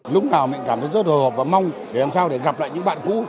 lúc nào mình cảm thấy rất hồ và mong để làm sao để gặp lại những bạn cũ